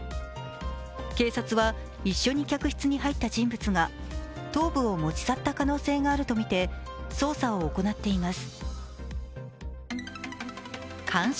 警察は一緒に客室に入った人物が頭部を持ち去った可能性があるとみて捜査を行っています。